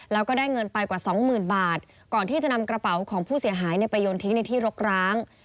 แล้วก็ได้เงินไปกว่าสองหมื่นบาทก่อนที่จะนำกระเป๋าของผู้เสียหายไปโยนทิ้งในที่รกร้าง